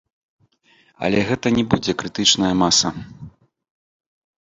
Але гэта не будзе крытычная маса.